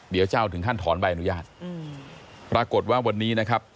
เดี๋ยวจะเอาถึงขั้นถอนใบอนุญาตปรากฏว่าวันนี้นะครับ